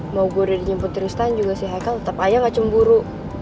mau gue udah dijemput tristan juga si haikal tetap ayah gak cemburu